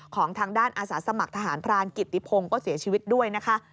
ของทางด้านอาสาสมัครทหารพรานกิติพงศ์ก็เสียชีวิตด้วยนะคะ